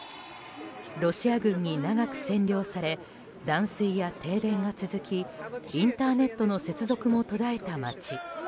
ロシア軍に長く占領され断水や停電が続きインターネットの接続も途絶えた街。